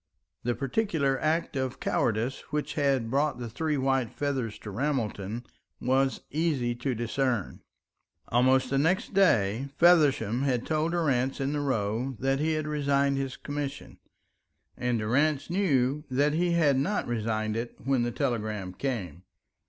The particular act of cowardice which had brought the three white feathers to Ramelton was easy to discern. Almost the next day Feversham had told Durrance in the Row that he had resigned his commission, and Durrance knew that he had not resigned it when the telegram came.